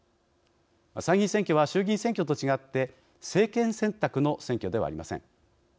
参議院選挙は衆議院選挙と違って政権選択の選挙ではありません。